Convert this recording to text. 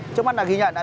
trước mắt là ghi nhận